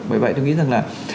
bởi vậy tôi nghĩ rằng là